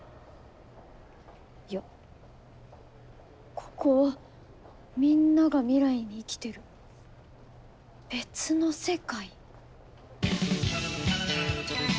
いやここはみんなが未来に生きてる別の世界？